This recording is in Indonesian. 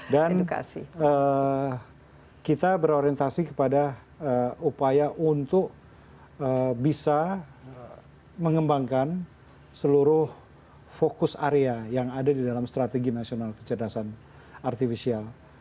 dan kita berorientasi kepada upaya untuk bisa mengembangkan seluruh fokus area yang ada di dalam strategi nasional kecerdasan artificial